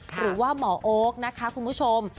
หรือว่าหมอโอ๊คนะคะคุณผู้ชม